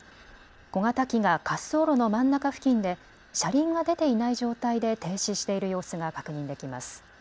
小型機が滑走路の真ん中付近で車輪が出ていない状態で停止している様子が確認できます。